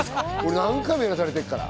何回もやらされてっから。